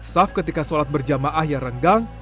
saf ketika sholat berjamaah yang renggang